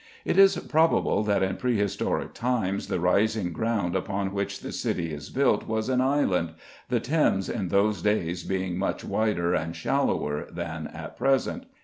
It is probable that in pre historic times the rising ground upon which the "City" is built was an island, the Thames in those days being much wider and shallower than at present.